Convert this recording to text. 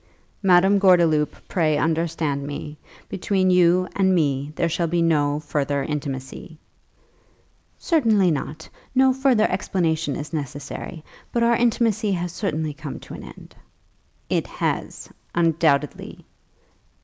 '" "Madame Gordeloup, pray understand me; between you and me there shall be no further intimacy." "No!" "Certainly not. No further explanation is necessary, but our intimacy has certainly come to an end." "It has." "Undoubtedly."